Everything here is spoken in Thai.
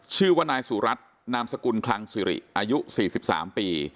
ชื่อว่านายสุรัตน์นามสกุลคลังสิริอายุ๔๓ปี